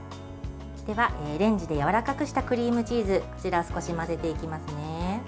では、レンジでやわらかくしたクリームチーズを少し混ぜていきますね。